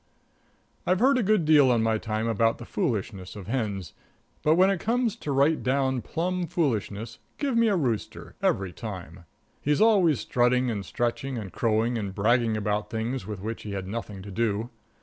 I've heard a good deal in my time about the foolishness of hens, but when it comes to right down, plum foolishness, give me a rooster, every time. He's always strutting and stretching and crowing and bragging about things with which he had nothing to do.